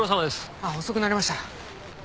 あっ遅くなりました。